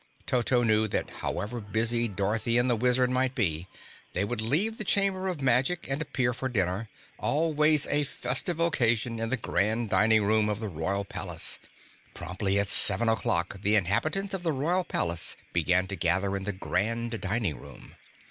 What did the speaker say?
Toto knew that however busy Dorothy and the Wizard might be, they would leave the Chamber of Magic and appear for dinner always a festive occasion in the Grand Dining Room of the Royal Palace. Promptly at seven o'clock, the inhabitants of the Royal Palace began to gather in the Grand Dining Room.